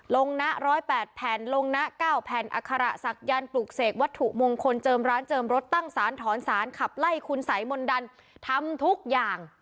ลงนะ๑๐๘แผ่นลงนะ๙แผ่นอัคระศักยันต์ปลูกเสกวัตถุมงคลเจิมร้านเจิมรถตั้งสารถอนสารขับไล่คุณสายมนต์ดันทำทุกอย่าง